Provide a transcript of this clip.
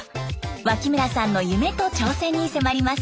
脇村さんの夢と挑戦に迫ります。